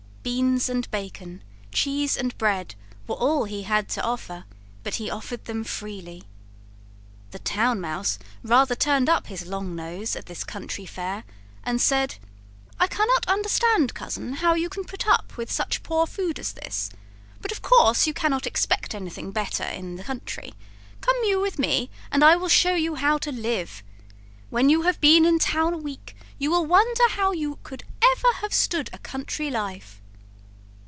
Beans and bacon, cheese and bread, were all he had to offer, but he offered them freely. The Town Mouse rather turned up his long nose at this country fare, and said: "I cannot understand, Cousin, how you can put up with such poor food as this, but of course you cannot expect anything better in the country; come you with me and I will show you how to live. When you have been in town a week you will wonder how you could ever have stood a country life."